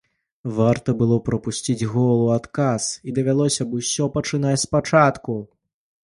Варта было прапусціць гол у адказ, і давялося б усё пачынаць спачатку.